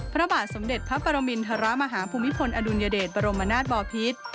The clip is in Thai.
พระบาทสมเด็จพระปรมินทรมาฮภูมิพลอดุลยเดชบรมนาศบอพิษ